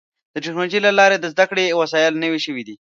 د ټکنالوجۍ له لارې د زدهکړې وسایل نوي شوي دي.